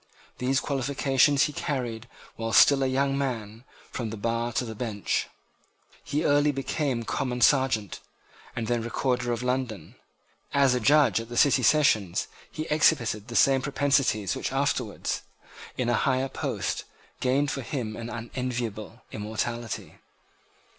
These qualifications he carried, while still a young man, from the bar to the bench. He early became Common Serjeant, and then Recorder of London. As a judge at the City sessions he exhibited the same propensities which afterwards, in a higher post, gained for him an unenviable immortality.